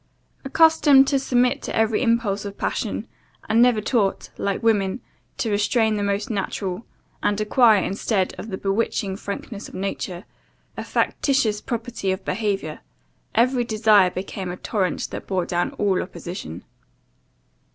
Accustomed to submit to every impulse of passion, and never taught, like women, to restrain the most natural, and acquire, instead of the bewitching frankness of nature, a factitious propriety of behaviour, every desire became a torrent that bore down all opposition.